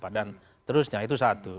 dan terusnya itu satu